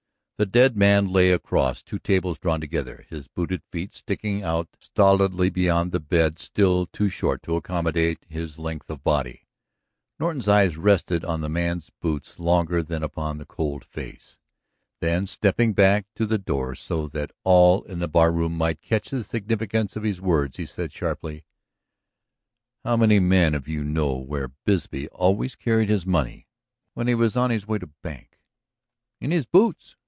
The dead man lay across two tables drawn together, his booted feet sticking out stolidly beyond the bed still too short to accommodate his length of body. Norton's eyes rested on the man's boots longer than upon the cold face. Then, stepping back to the door so that all in the barroom might catch the significance of his words, he said sharply: "How many men of you know where Bisbee always carried his money when he was on his way to bank?" "In his boots!"